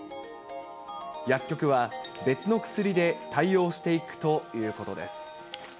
薬局は別の薬で対応していくということです。